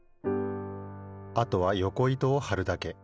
あとはよこ糸をはるだけ。